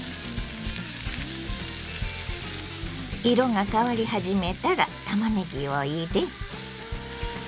色が変わり始めたらたまねぎを入れ。